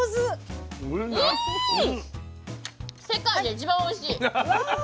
世界で一番おいしい。